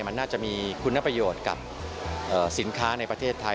มันน่าจะมีคุณประโยชน์กับสินค้าในประเทศไทย